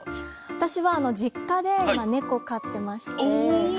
私は実家で今猫飼ってまして。